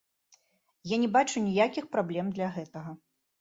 Я не бачу ніякіх праблем для гэтага.